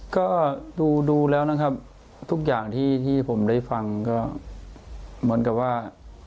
ก็ดูแล้วนะครับทุกอย่างที่ผมได้ฟังก็เหมือนกับว่า